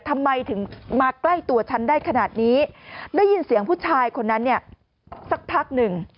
ทำไมถึงมาใกล้ตัวฉันได้ขนาดนี้ได้ยินเสียงผู้ชายคนนั้นเนี่ยสักพักหนึ่ง